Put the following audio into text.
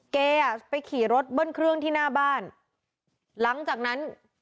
แกอ่ะไปขี่รถเบิ้ลเครื่องที่หน้าบ้านหลังจากนั้น